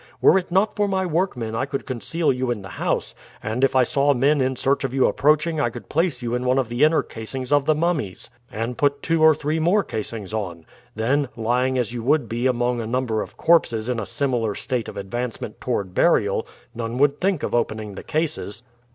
Were it not for my workmen I could conceal you in the house; and if I saw men in search of you approaching I could place you in one of the inner casings of the mummies, and put two or three more casings on. Then, lying as you would be among a number of corpses in a similar state of advancement toward burial, none would think of opening the cases.